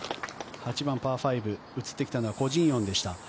８番パー５、映ってきたのはコ・ジンヨンでした。